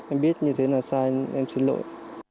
em biết như thế là sai em xin lỗi